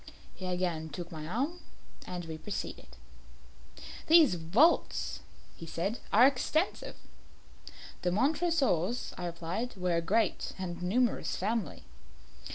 He again took my arm, and we proceeded. "These vaults," he said, "are extensive." "The Montresors," I replied, "were a great and numerous family."